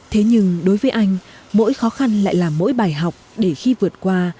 thế nhưng đối với anh mỗi khó khăn lại là mỗi bài học để khi vượt qua